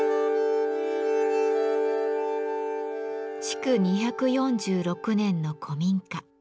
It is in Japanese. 築２４６年の古民家。